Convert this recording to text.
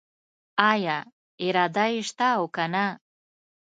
آیا اراده یې شته او کنه؟